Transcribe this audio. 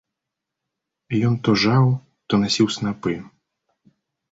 Ён то жаў, то насіў снапы.